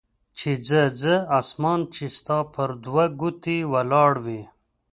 چې ځه ځه اسمان چې ستا پر دوه ګوتې ولاړ وي.